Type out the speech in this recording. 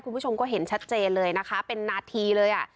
คุณผู้ชมก็เห็นชัดเจนเลยนะคะเป็นนาทีเลยอ่ะ